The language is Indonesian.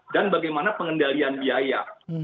dan bagaimana pengendalian biaya